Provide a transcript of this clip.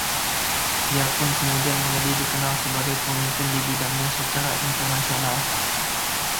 Ia pun kemudian menjadi dikenal sebagai pemimpin di bidangnya secara internasional.